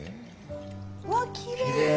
うわっきれい！